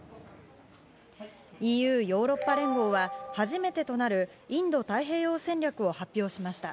ＥＵ＝ヨーロッパ連合は初めてとなるインド太平洋戦略を発表しました。